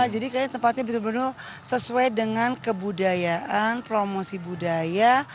jadi tempatnya sesuai dengan kebudayaan promosi budaya